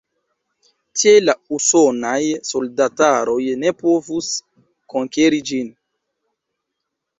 Tiel la usonaj soldataroj ne povus konkeri ĝin.